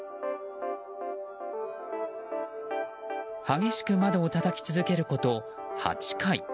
激しく窓をたたき続けること８回。